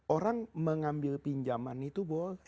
orang mengambil pinjaman itu